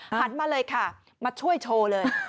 หันมาเลยค่ะมาช่วยโชว์เลย